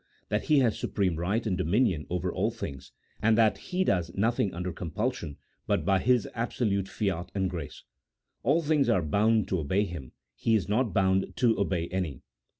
That He has supreme right and dominion over all things, and that He does nothing under compulsion, but by His absolute fiat and grace. All things are bound to> obey Him, He is not bound to obey any.